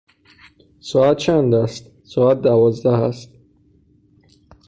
ساعت چند است؟ ساعت دوازده است.